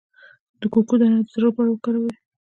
د کوکو دانه د زړه لپاره وکاروئ